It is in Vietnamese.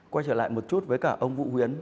quay trở lại một chút với cả ông vũ huyến